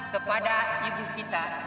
kepada ibu kita